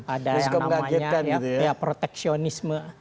ada yang namanya proteksionisme